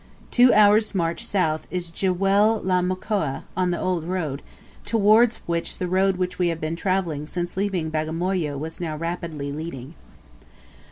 Two hours' march south is Jiweh la Mkoa, on the old road, towards which the road which we have been travelling since leaving Bagamoyo was now rapidly leading.